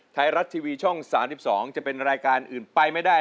ไทยรัฐทีวีช่อง๓๒จะเป็นรายการอื่นไปไม่ได้